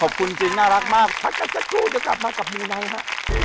ขอบคุณจริงน่ารักมากถ้าเกิดจะพูดจะกลับมากกับมูไหนฮะ